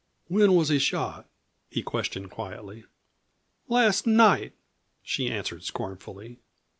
"When was he shot?" he questioned quietly. "Last night," she answered scornfully.